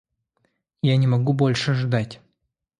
Я не могу больше ждать.